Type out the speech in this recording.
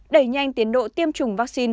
đẩy nhanh tiến độ tiêm chủng vaccine